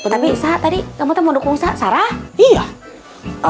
tapi tadi kamu mau mendukung neng saraheyo